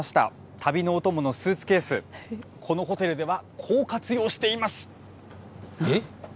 旅のお供のスーツケース、このホテルではこう活用しています。